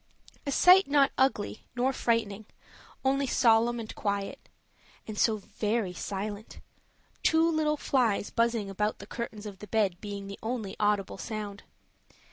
A sight not ugly nor frightening, only solemn and quiet. And so very silent two little flies buzzing about the curtains of the bed being the only audible sound.